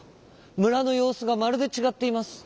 むらのようすがまるでちがっています。